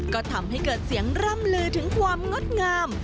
ก็ทำให้เกิดเสียงร่ำลือถึงความงดงาม